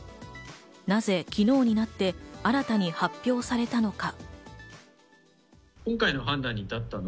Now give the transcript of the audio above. なぜ昨日になって新たに発表されたのか。